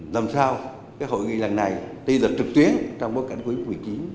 làm sao hội nghị lần này tuy là trực tuyến trong bối cảnh quyết quyết chiến